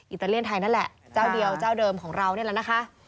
อิตาเลียนไทยนั่นแหละเจ้าเดียวเจ้าเดิมของเรานี่แหละนะคะ